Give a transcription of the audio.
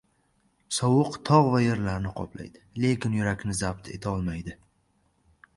• Sovuq tog‘ va yerlarni qoplaydi, lekin yurakni zabt etolmaydi.